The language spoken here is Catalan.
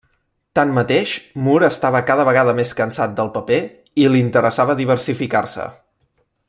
Tanmateix, Moore estava cada vegada més cansat del paper, i li interessava diversificar-se.